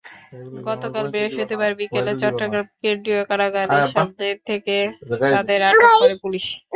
গতকাল বৃহস্পতিবার বিকেলে চট্টগ্রাম কেন্দ্রীয় কারাগারের সামনে থেকে তাঁদের আটক করে পুলিশ।